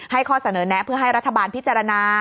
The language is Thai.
ข้อเสนอแนะเพื่อให้รัฐบาลพิจารณา